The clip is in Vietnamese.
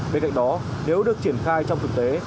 bên cạnh đó nếu được triển khai trong thực tế